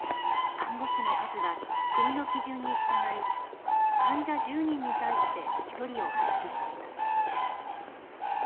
看護師の数は国の基準に従い患者１０人に対して１人を配置しています。